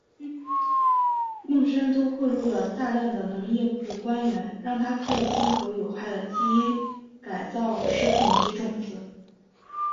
孟山都贿赂了大量的农业部官员让它可以进口有害的基因改造食品及种子。